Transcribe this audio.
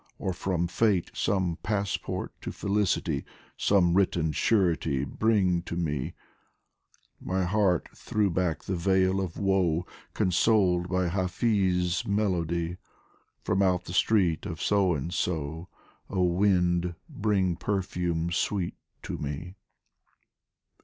or from Fate Some passport to felicity, Some written surety bring to me ! My heart threw back the veil of woe, Consoled by Hafiz' melody : From out the street of So and So, Oh wind, bring perfumes sweet to me